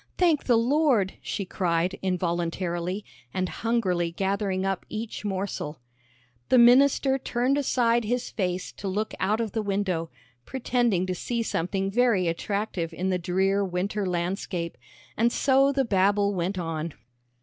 "Thank the Lord!" she cried, involuntarily, and hungrily gathering up each morsel. The minister turned aside his face to look out of the window, pretending to see something very attractive in the drear winter landscape, and so the babel went on.